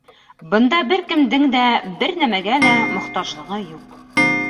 Бында бер кемдең дә бер нәмәгә лә мохтажлығы юҡ.